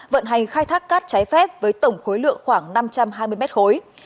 vận hành khai thác cát trái phép với tổng khối lượng khoảng năm trăm hai mươi mét khối